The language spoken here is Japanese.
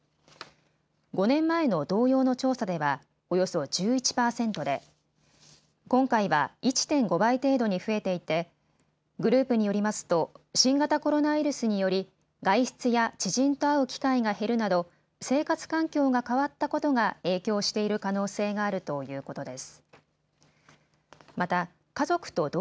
５年前の同様の調査ではおよそ１１％で今回は１．５倍程度に増えていてグループによりますと新型コロナウイルスにより外出や知人と会う機会が減るなど、生活環境が変わったことが影響している可能性があるということです。